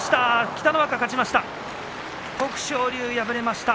北の若、勝ちました。